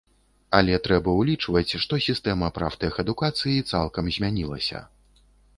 Але трэба ўлічваць, што сістэма прафтэхадукацыі цалкам змянілася.